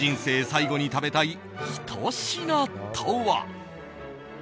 最後に食べたいひと品とは？